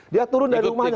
dia turun dari rumahnya